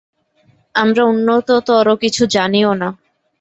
আমরা উন্নততর কিছু জানিও না।